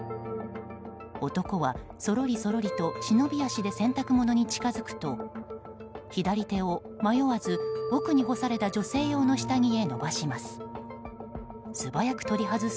男は、そろりそろりと忍び足で洗濯物に近づくと左手を迷わず、奥に干された女性用の下着へ伸ばします。